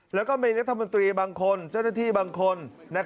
และมีไปคณะรัฐมนตรีบางคนเจ้าหน้าที่บางคน